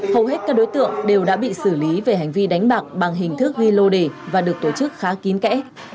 hầu hết các đối tượng đều đã bị xử lý về hành vi đánh bạc bằng hình thức ghi lô đề và được tổ chức khá kín kẽ